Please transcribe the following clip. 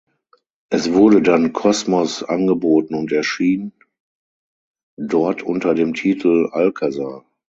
Es wurde dann Kosmos angeboten und erschien dort unter dem Titel Alcazar.